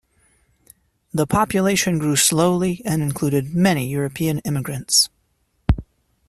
The population grew slowly and included many European immigrants.